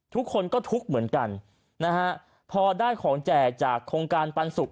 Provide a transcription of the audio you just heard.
ทุกคนก็ทุกข์เหมือนกันนะฮะพอได้ของแจกจากโครงการปันสุก